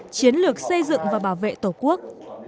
chiến lược xây dựng và bảo vệ tổ quốc